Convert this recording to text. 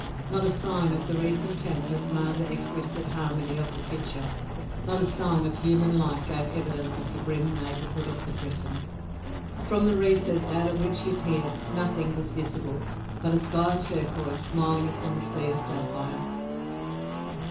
Not a sign of the recent tempest marred the exquisite harmony of the picture. Not a sign of human life gave evidence of the grim neighbourhood of the prison. From the recess out of which he peered nothing was visible but a sky of turquoise smiling upon a sea of sapphire.